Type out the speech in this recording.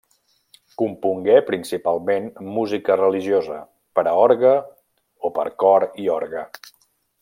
Compongué principalment música religiosa, per a orgue o per cor i orgue.